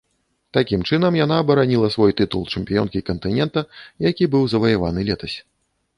Такім чынам яна абараніла свой тытул чэмпіёнкі кантынента, які быў заваяваны летась.